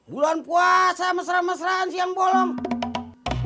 bulan puasa mesra mesraan siang bolong